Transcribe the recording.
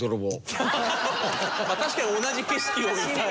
確かに「同じ景色を見たい」。